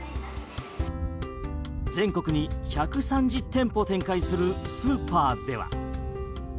全国に１３０店舗を展開するスーパーでは。